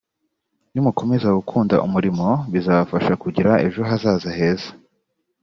nimukomeza gukunda umurimo bizabafasha kugira ejo hazaza heza”